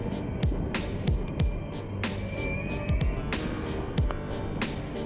di mana mobil ini di jakarta